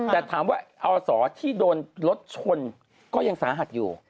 แต่ถามว่าอศที่โดนรถชนก็ยังสาหัสอยู่